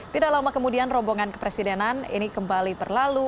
tidak lama kemudian rombongan kepresidenan ini kembali berlalu